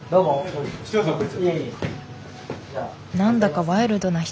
何だかワイルドな人。